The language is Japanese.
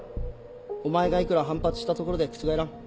お前がいくら反発したところで覆らん。